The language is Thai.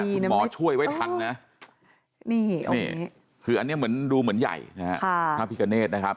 คุณหมอช่วยไว้ทันนะนี่คืออันนี้เหมือนดูเหมือนใหญ่นะฮะพระพิกาเนธนะครับ